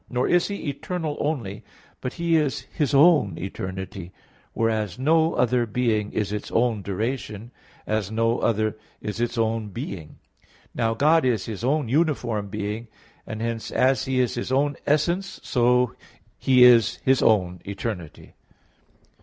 Nor is He eternal only; but He is His own eternity; whereas, no other being is its own duration, as no other is its own being. Now God is His own uniform being; and hence as He is His own essence, so He is His own eternity.